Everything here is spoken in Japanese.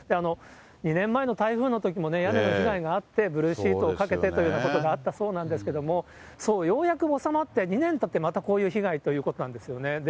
２年前の台風のときも屋根の被害があって、ブルーシートをかけてというようなことがあったそうなんですけれども、ようやく収まって、２年たって、またこういう被害ということなんですよね。